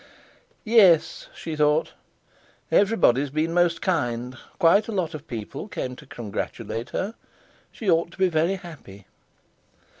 "Yes," she thought, "everybody's been most kind; quite a lot of people come to congratulate her. She ought to be very happy."